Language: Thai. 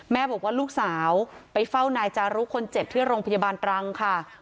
บอกว่าลูกสาวไปเฝ้านายจารุคนเจ็บที่โรงพยาบาลตรังค่ะ